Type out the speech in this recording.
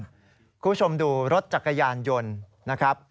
คุณผู้ชมดูรถจักรยานยนต์นะครับ